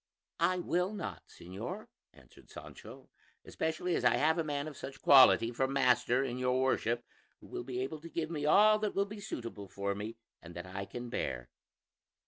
"I will not, señor," answered Sancho; "especially as I have a man of such quality for master in your Worship, who will be able to give me all that will be suitable for me and that I can bear."